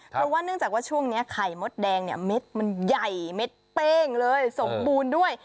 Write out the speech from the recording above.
เพราะว่าเนื่องจากว่าช่วงนี้ไข่มดแดงเนี่ยเม็ดมันใหญ่เม็ดเป้งเลยสมบูรณ์ด้วย